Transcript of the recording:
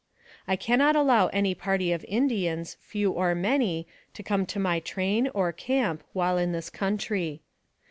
" I can not allow any party of Indians, few or many, to come to my train, or camp, while in this country.